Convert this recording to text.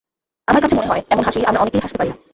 আমার কাছে মনে হয়, এমন হাসি আমরা অনেকেই হাসতে পারি না।